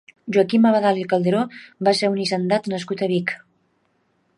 Joaquim Abadal i Calderó va ser un hisendat nascut a Vic.